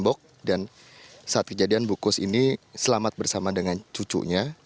sudah tidak ada tembok dan saat kejadian bukus ini selamat bersama dengan cucunya